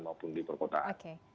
maupun di perkotaan